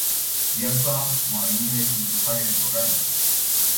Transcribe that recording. Viața marină este într-o stare deplorabilă.